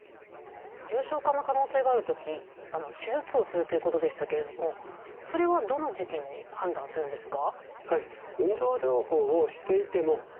重症化の可能性がある時手術をするということでしたけれどもそれはどの時期に判断するんですか？